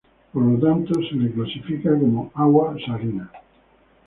Por lo tanto se le clasifica como agua salina.